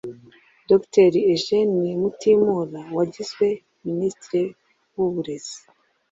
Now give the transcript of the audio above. Dr Eugène Mutimura wagizwe Minisitiri w’uburezi